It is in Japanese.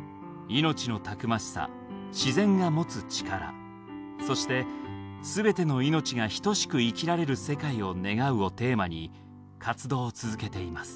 「命の逞しさ自然が持つ力」そして「すべての命がひとしく生きられる世界を願う」をテーマに活動を続けています。